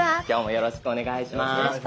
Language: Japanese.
よろしくお願いします。